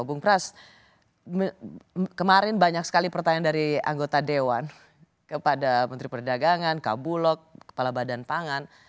bung pras kemarin banyak sekali pertanyaan dari anggota dewan kepada menteri perdagangan kabulok kepala badan pangan